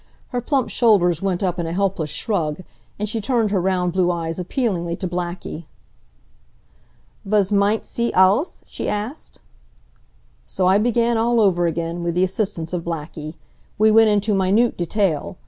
Her plump shoulders went up in a helpless shrug, and she turned her round blue eyes appealingly to Blackie. "Was meint sie alles?" she asked. So I began all over again, with the assistance of Blackie. We went into minute detail.